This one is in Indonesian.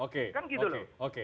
kan gitu loh